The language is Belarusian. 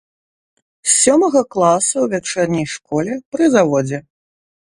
З сёмага класа ў вячэрняй школе пры заводзе.